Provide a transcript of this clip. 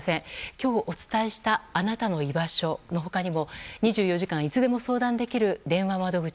今日お伝えしたあなたのいばしょの他にも２４時間いつでも相談できる電話窓口